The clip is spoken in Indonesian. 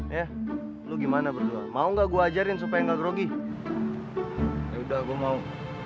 ya lu gimana berdua mau nggak gua ajarin supaya enggak grogi udah gua mau